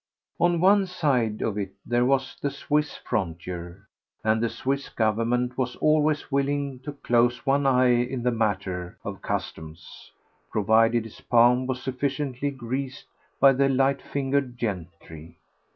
On one side of it there was the Swiss frontier, and the Swiss Government was always willing to close one eye in the matter of customs provided its palm was sufficiently greased by the light fingered gentry.